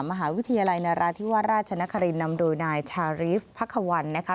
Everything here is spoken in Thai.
มหาวิทยาลัยนราธิวาสราชนครินนำโดยนายชารีฟพักควันนะคะ